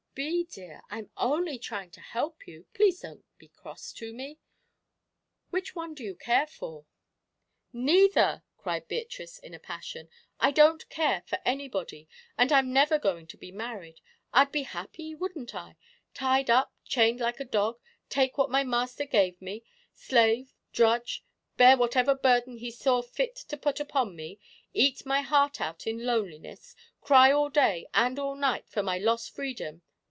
"Bee, dear, I'm only trying to help you please don't be cross to me. Which one do you care for?" "Neither!" cried Beatrice, in a passion. "I don't care for anybody, and I'm never going to be married. I'd be happy, wouldn't I? Tied up chained like a dog take what my master gave me slave drudge bear whatever burden he saw fit to put upon me eat my heart out in loneliness cry all day and all night for my lost freedom.